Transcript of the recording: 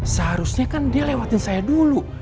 seharusnya kan dia lewatin saya dulu